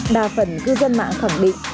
đa phần cư dân mạng khẳng định